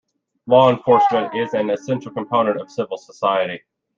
Law enforcement is an essential component of civil society.